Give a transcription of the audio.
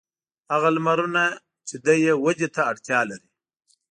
هغه لمرونه چې دی یې ودې ته اړتیا لري.